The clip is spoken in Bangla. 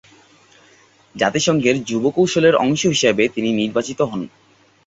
জাতিসংঘের যুব কৌশলের অংশ হিসাবে তিনি নির্বাচিত হন।